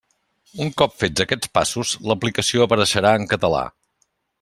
Un cop fets aquests passos, l'aplicació apareixerà en català.